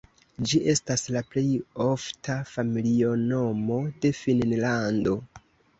Ĝi estas la plej ofta familinomo de Finnlando.